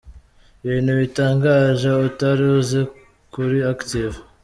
Ibintu bitangaje utari uzi kuri Active.